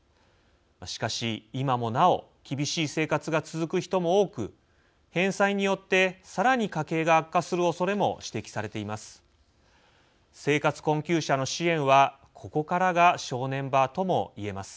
しかし、今もなお厳しい生活が続く人も多く返済によってさらに家計が悪化するおそれも指摘されています。